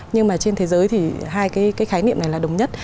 nhưng mà trên thế giới thì hai cái khái niệm này là đồng nhất